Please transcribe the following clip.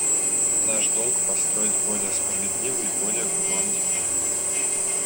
Наш долг — построить более справедливый и более гуманный мир.